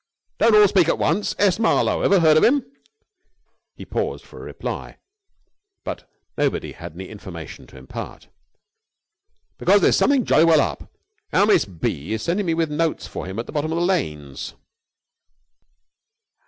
"Don't all speak at once! S. Marlowe. Ever heard of him?" He paused for a reply, but nobody had any information to impart. "Because there's something jolly well up! Our Miss B. is sending me with notes for him to the bottom of lanes."